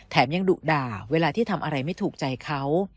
ยังดุด่าเวลาที่ทำอะไรไม่ถูกใจเขา